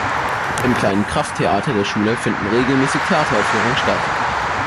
Im kleinen Kraft-Theater der Schule finden regelmäßig Theateraufführungen statt.